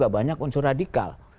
banyak unsur radikal